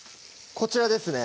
こちらですね